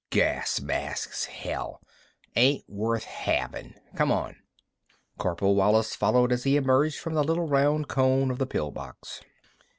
"Gas masks, hell! Ain't worth havin'. Come on." Corporal Wallis followed as he emerged from the little round cone of the pill box.